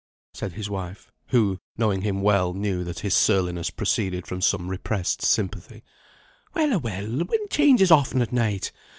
said his wife, who, knowing him well, knew that his surliness proceeded from some repressed sympathy. "Well a well, wind changes often at night.